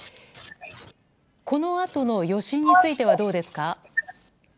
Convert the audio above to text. このあとの余震についてはどうですか？